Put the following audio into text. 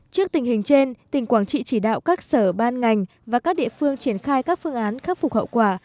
trước tình hình trên tỉnh quảng trị chỉ đạo các sở ban ngành và các địa phương triển khai các phương án khắc phục hậu quả